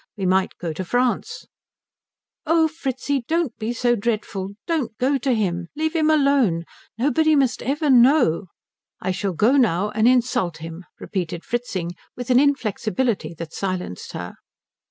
We might go to France " "Oh Fritzi don't be so dreadful. Don't go to him leave him alone nobody must ever know " "I shall now go and insult him," repeated Fritzing with an inflexibility that silenced her.